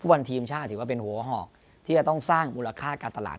วันทีมชาติถือว่าเป็นหัวหอกที่จะต้องสร้างมูลค่าการตลาด